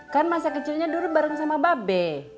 kan masa kecilnya dulu bareng sama babe